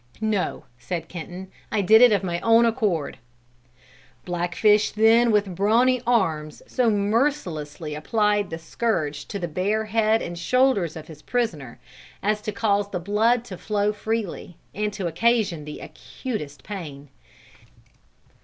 "'No,' said Kenton, 'I did it of my own accord.' "Blackfish then with brawny arms so mercilessly applied the scourge to the bare head and shoulders of his prisoner, as to cause the blood to flow freely, and to occasion the acutest pain.